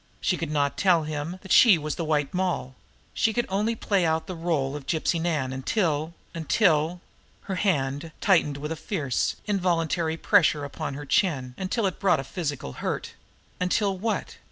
She could not tell him that she was the White Moll. She could only play out the role of Gypsy Nan until until Her hand tightened with a fierce, involuntary pressure upon her chin until it brought a physical hurt. Until what?